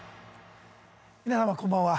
皆さまこんばんは。